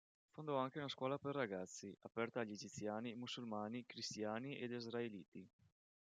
Fondò anche una scuola per ragazzi, aperta agli egiziani musulmani, cristiani ed israeliti.